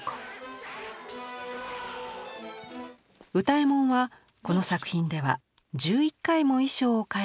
右太衛門はこの作品では１１回も衣装を替えて登場。